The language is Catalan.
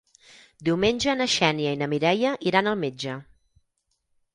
Diumenge na Xènia i na Mireia iran al metge.